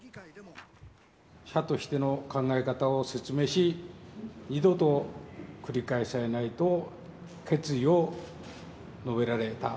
社としての考え方を説明し、二度と繰り返されないと決意を述べられた。